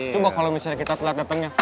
coba kalo misalnya kita telat datengnya